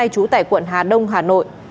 chú tại quận hà đông hà nội